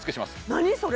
何それ？